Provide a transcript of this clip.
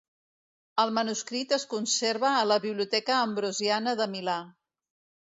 El manuscrit es conserva a la Biblioteca Ambrosiana de Milà.